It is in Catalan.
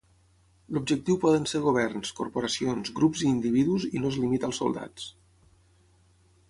L'objectiu poden ser governs, corporacions, grups i individus, i no es limita als soldats.